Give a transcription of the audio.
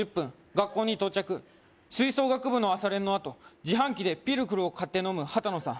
学校に到着吹奏楽部の朝練のあと自販機でピルクルを買って飲むハタノさん